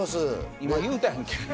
今、言うたやんけ！